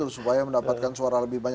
supaya mendapatkan suara lebih banyak